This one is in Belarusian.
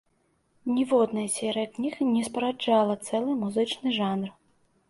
Ніводная серыя кніг не спараджала цэлы музычны жанр.